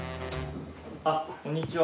あっこんにちは。